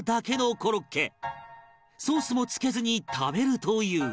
ソースもつけずに食べるという